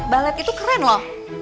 balet itu keren loh